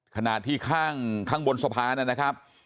ขนาดที่ข้างข้างบนสะพานแล้วนะครับ